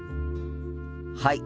はい。